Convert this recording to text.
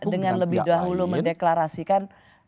dengan lebih dahulu mendeklarasikan